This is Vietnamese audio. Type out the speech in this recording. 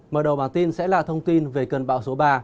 mở đầu bản tin sẽ là thông tin về cơn bão số ba